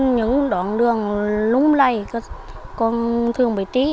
những đoạn đường lúng lầy còn thường bị trí